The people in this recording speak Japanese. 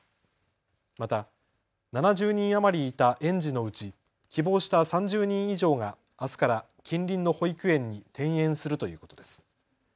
また７０人余りいた園児のうち希望した３０人以上があすから近隣の保育園に転園するということです。